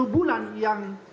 sepuluh bulan yang